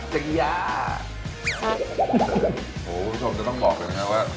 จังหยาครับโอ้คุณผู้ชมจะต้องบอกใจปี่ไหมค่ะว่า